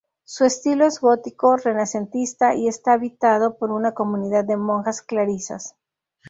Su estilo es gótico-renacentista y está habitado por una comunidad de monjas clarisas.